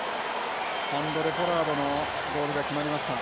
ハンドレポラードのゴールが決まりました。